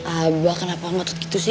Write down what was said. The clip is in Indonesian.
abah kenapa ngotot gitu sih